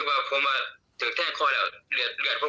เอายังสู่กับเขา